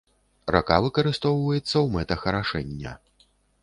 Рака выкарыстоўваецца ў мэтах арашэння.